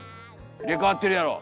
「入れ代わってるやろ！」。